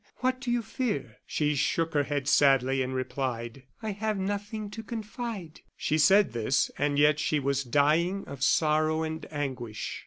What do you fear?" She shook her head sadly and replied: "I have nothing to confide." She said this, and yet she was dying of sorrow and anguish.